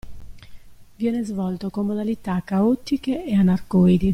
Viene svolto con modalità caotiche e anarcoidi.